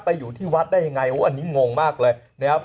อยู่ที่วัดได้ยังไงอันนี้งงมากเลยนะครับ